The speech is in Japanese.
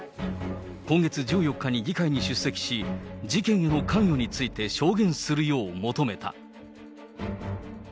今月１４日に議会に出席し、事件への関与について証言するよう求めた。